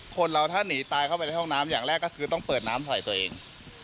คนเราถ้าหนีตายเข้าไปในห้องน้ำอย่างแรกก็คือต้องเปิดน้ำใส่ตัวเอง